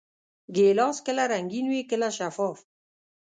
ګیلاس کله رنګین وي، کله شفاف.